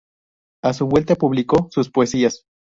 A su vuelta publicó sus poesías.